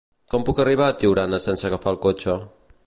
Com puc arribar a Tiurana sense agafar el cotxe?